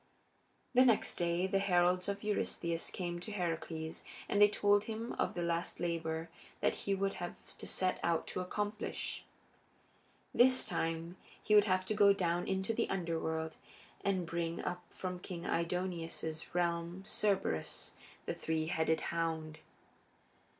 The next day the heralds of Eurystheus came to Heracles and they told him of the last labor that he would have to set out to accomplish this time he would have to go down into the Underworld, and bring up from King Aidoneus's realm Cerberus, the three headed hound.